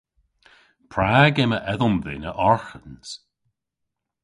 Prag yma edhom dhyn a arghans?